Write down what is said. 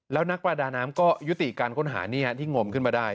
แล้วนักประดาน้ำก็ยุติการค้นหานี่ฮะที่งมขึ้นมาได้